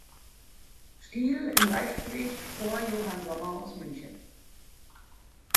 Stil im Leichtgewicht vor Johann Sommer aus München.